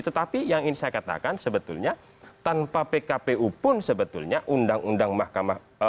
tetapi yang ini saya katakan sebetulnya tanpa pkpu pun sebetulnya undang undang pemilu itu tidak bisa dilengkapi